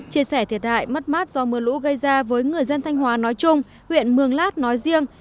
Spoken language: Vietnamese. chia sẻ thiệt hại mất mát do mưa lũ gây ra với người dân thanh hóa nói chung huyện mường lát nói riêng